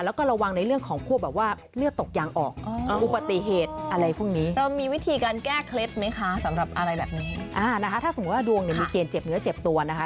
ถ้าสมมุติว่าดวงมีเกณฑ์เจ็บเนื้อเจ็บตัวนะคะ